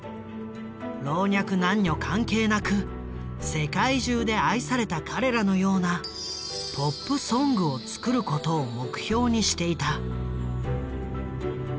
老若男女関係なく世界中で愛された彼らのようなポップソングを作ることを目標にしていた。